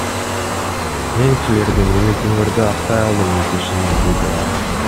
Мен силердин үмүтүңөрдү актай алдым деп ишенем, — деди ал.